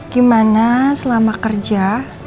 gimana selama kerja